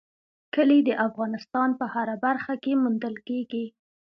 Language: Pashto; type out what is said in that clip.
کلي د افغانستان په هره برخه کې موندل کېږي.